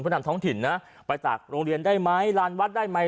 นำท้องถิ่นนะไปจากโรงเรียนได้ไหมลานวัดได้ไหม